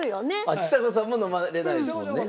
ちさ子さんも飲まれないですもんね。